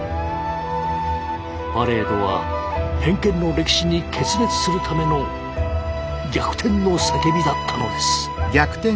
パレードは偏見の歴史に決別するための逆転の叫びだったのです。